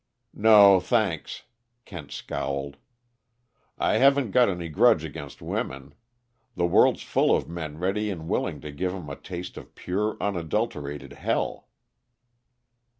"No, thanks," Kent scowled. "I haven't got any grudge against women. The world's full of men ready and willing to give 'em a taste of pure, unadulterated hell."